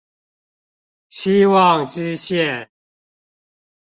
希望之線